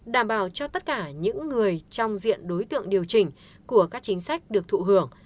đảm bảo cho tất cả những người trong diện đối tượng điều chỉnh của các chính sách được thụ hưởng